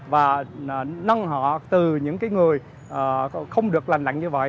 và nâng họ từ những cái người không được lành lạnh như vậy